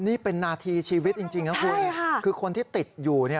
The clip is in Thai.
นี่เป็นนาทีชีวิตจริงนะคุณคือคนที่ติดอยู่เนี่ย